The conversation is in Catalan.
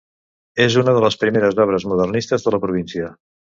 És una de les primeres obres modernistes de la província.